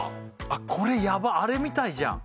これヤバっあれみたいじゃん！